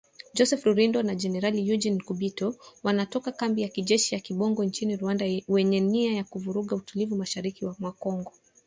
Joseph Rurindo na Generali Eugene Nkubito, wanatoka kambi ya kijeshi ya Kibungo nchini Rwanda wenye nia ya kuvuruga utulivu mashariki mwa Kongo